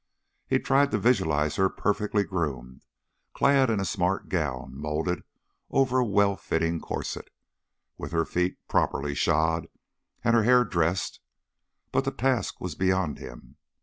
He tried to visualize her perfectly groomed, clad in a smart gown molded over a well fitting corset, with her feet properly shod and her hair dressed but the task was beyond him.